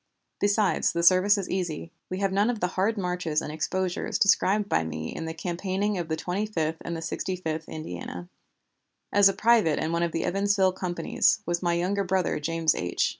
Besides, the service is easy. We have none of the hard marches and exposures described by me in the campaigning of the Twenty fifth and Sixty fifth Indiana. As a private in one of the Evansville companies, was my younger brother James H.